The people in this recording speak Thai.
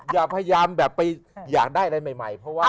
อย่าพยายามแบบไปอยากได้อะไรใหม่เพราะว่า